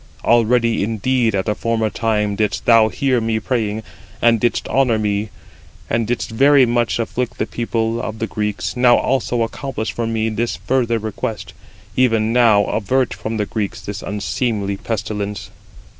already indeed at a former time didst thou hear me praying, and didst honour me, and didst very much afflict the people of the Greeks, now also accomplish for me this further request: even now avert from the Greeks this unseemly pestilence."